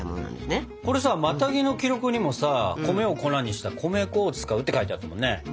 これさマタギの記録にもさ米を粉にした米粉を使うって書いてあったもんね。